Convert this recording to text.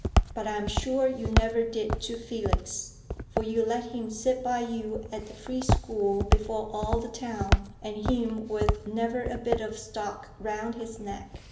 But I'm sure you never did to Felix, for you let him sit by you at the Free School before all the town, and him with never a bit of stock round his neck.